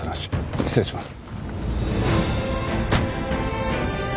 失礼します。